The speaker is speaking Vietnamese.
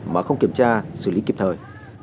mà không kiểm tra xử lý kịp thời